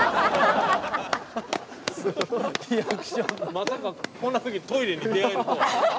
まさかこんな時にトイレに出会えるとは。